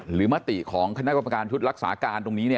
หรือมติของคณะกรรมการชุดรักษาการ